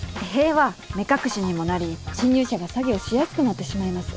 塀は目隠しにもなり侵入者が作業しやすくなってしまいます。